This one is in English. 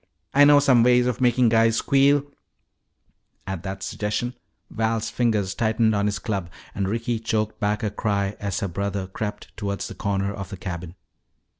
I know some ways of making guys squeal " At that suggestion Val's fingers tightened on his club and Ricky choked back a cry as her brother crept toward the corner of the cabin.